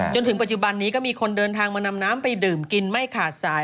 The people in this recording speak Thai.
จนถึงปัจจุบันนี้ก็มีคนเดินทางมานำน้ำไปดื่มกินไม่ขาดสาย